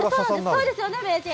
そうですよね名人？